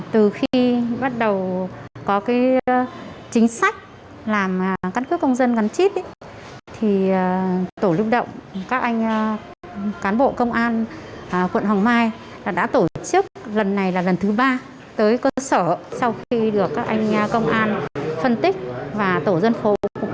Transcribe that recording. từ khi bắt đầu có cái chính sách làm căn cức công dân gắn chip thì tổ lực động các anh cán bộ công an quận hoàng mai đã tổ chức lần này là lần thứ ba tới cơ sở sau khi được các anh công an phân tích và tổ dân khổ cũng đã tuyên truyền